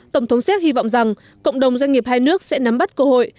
tổng thống séc hy vọng rằng cộng đồng doanh nghiệp hai nước sẽ nắm bắt cơ hội